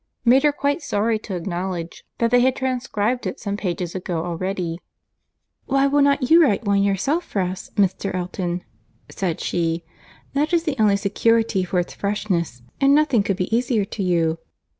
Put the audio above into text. — made her quite sorry to acknowledge that they had transcribed it some pages ago already. "Why will not you write one yourself for us, Mr. Elton?" said she; "that is the only security for its freshness; and nothing could be easier to you."